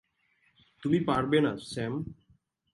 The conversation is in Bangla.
তুমি পারবে না, স্যাম।